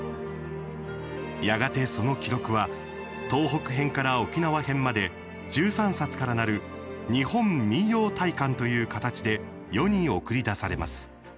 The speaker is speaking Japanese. やがて、その記録は東北編から沖縄編まで１３冊から成る「日本民謡大観」という形で世に送り出されます。